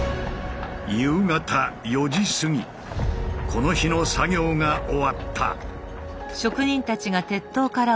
この日の作業が終わった。